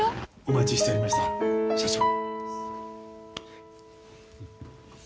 お待ちしておりました社長。